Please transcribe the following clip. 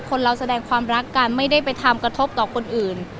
คนเราแสดงความรักกันไม่ได้ไปทำกระทบต่อคนอื่น